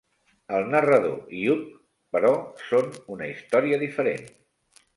El narrador i Utch, però, són una història diferent.